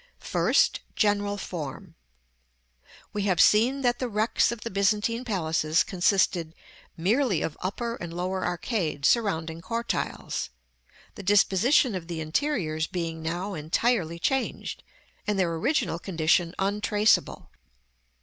§ VI. First. General Form. We have seen that the wrecks of the Byzantine palaces consisted merely of upper and lower arcades surrounding cortiles; the disposition of the interiors being now entirely changed, and their original condition untraceable.